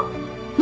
何？